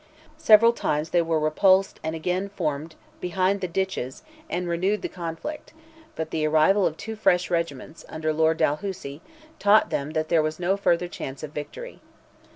Several times they were repulsed and again formed behind the ditches and renewed the conflict; but the arrival of two fresh regiments, under Lord Dalhousie, taught them that there was no farther chance of victory.